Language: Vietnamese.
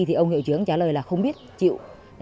thì ông hiệu trưởng trả lời là không biết chịu